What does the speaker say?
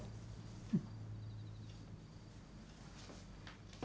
うん。